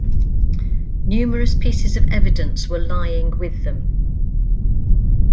Numerous pieces of evidence were lying with them.